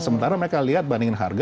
sementara mereka lihat bandingin harga